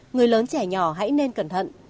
người lớn trẻ nhỏ hãy nên cẩn thận